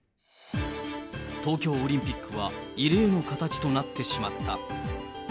東京オリンピックは異例の形となってしまった。